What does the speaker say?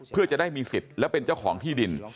เพื่อจะได้มีสิทธิ์และเป็นเจ้าของที่ดิน